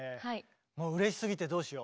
もううれしすぎてどうしよう。